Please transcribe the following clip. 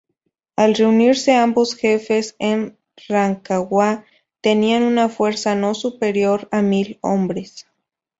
Al reunirse ambos jefes en Rancagua, tenían una fuerza no superior a mil hombres.